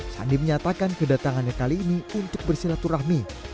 sandi menyatakan kedatangannya kali ini untuk bersilaturahmi